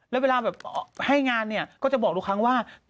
แล้วเวลาให้งานก็จะบอกลูกค้างว่า